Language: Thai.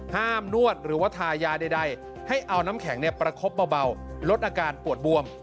นวดหรือว่าทายาใดให้เอาน้ำแข็งประคบเบาลดอาการปวดบวม